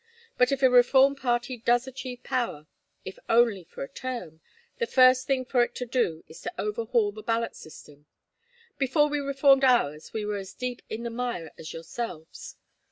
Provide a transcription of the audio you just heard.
But if a reform party does achieve power, if only for a term, the first thing for it to do is to overhaul the ballot system. Before we reformed ours we were as deep in the mire as yourselves.